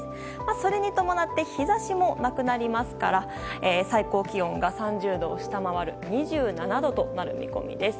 それに伴って日差しもなくなりますから最高気温が３０度を下回る２７度となる見込みです。